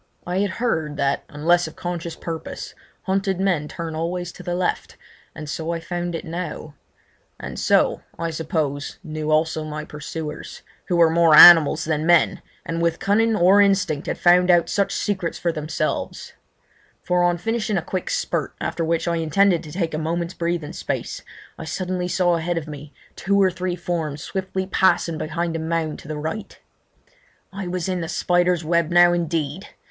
I had heard that, unless of conscious purpose, hunted men turn always to the left, and so I found it now; and so, I suppose, knew also my pursuers, who were more animals than men, and with cunning or instinct had found out such secrets for themselves: for on finishing a quick spurt, after which I intended to take a moment's breathing space, I suddenly saw ahead of me two or three forms swiftly passing behind a mound to the right. I was in the spider's web now indeed!